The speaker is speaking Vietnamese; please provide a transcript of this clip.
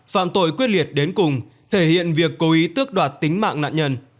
phạm tội quyết liệt đến cùng thể hiện việc cố ý tước đoạt tính mạng nạn nhân